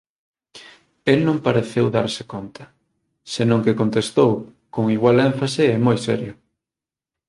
El non pareceu darse conta, senón que contestou, con igual énfase e moi serio